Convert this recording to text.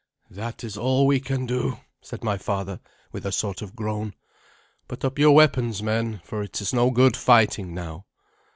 "That is all we can do," said my father, with a sort of groan. "Put up your weapons, men, for it is no good fighting now."